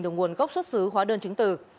được nguồn gốc xuất xứ hóa đơn chứng từ